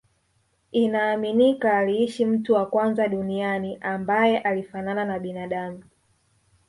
Inaaminika aliishi mtu wa kwanza duniani ambae alifanana na binadamu